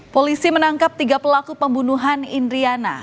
polisi menangkap tiga pelaku pembunuhan indriana